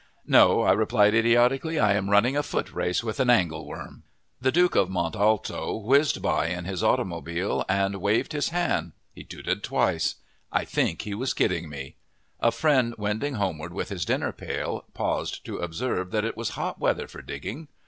"No," I replied idiotically; "I am running a footrace with an angle worm!" The Duke of Mont Alto whizzed by in his automobile and waved his hand. He tooted twice. I think he was kidding me. A friend, wending homeward with his dinnerpail, paused to observe that it was hot weather for digging.